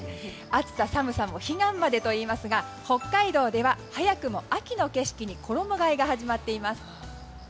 暑さ寒さも彼岸までといいますが北海道では早くも秋の景色に衣替えが始まっています。